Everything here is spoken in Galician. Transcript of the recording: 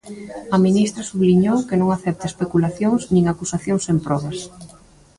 A ministra subliñou que non acepta "especulacións" nin acusacións "sen probas".